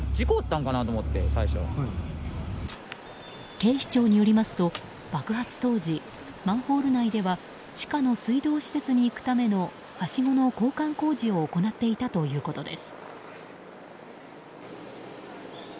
警視庁によりますと爆発当時、マンホール内では地下の水道施設に行くためのはしごの交換工事を行っていたということです。